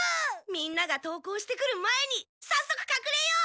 みんなが登校してくる前にさっそくかくれよう！